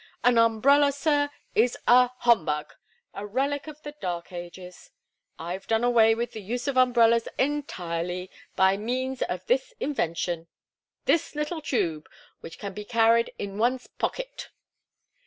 An umbrella, sir, is a humbug! A relic of the Dark Ages! I've done away with the use of umbrellas entirely, by means of this invention this little tube, which can be carried in one's pocket!"